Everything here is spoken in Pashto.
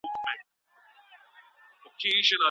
فارمسي پوهنځۍ بې اسنادو نه ثبت کیږي.